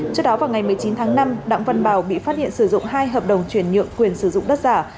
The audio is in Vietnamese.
trước đó vào ngày một mươi chín tháng năm đặng văn bào bị phát hiện sử dụng hai hợp đồng chuyển nhượng quyền sử dụng đất giả